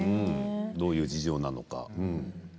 どういう事情なのか。